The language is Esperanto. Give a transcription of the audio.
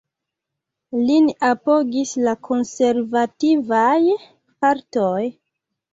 Lin apogis la konservativaj partioj.